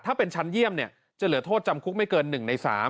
ถ้าเป็นชั้นเยี่ยมจะเหลือโทษจำคุกไม่เกิน๑ใน๓